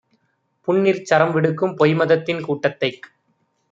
புண்ணிற் சரம்விடுக்கும் பொய்மதத்தின் கூட்டத்தைக்